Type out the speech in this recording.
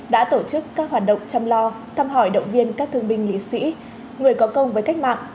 đã tổ chức các hoạt động chăm lo thăm hỏi động viên các thương binh liệt sĩ người có công với cách mạng